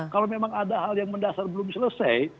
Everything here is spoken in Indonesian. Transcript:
kalau memang ada hal yang mendasar belum selesai